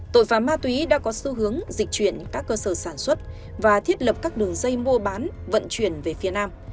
tội phạm ma túy đã có xu hướng dịch chuyển các cơ sở sản xuất và thiết lập các đường dây mua bán vận chuyển về phía nam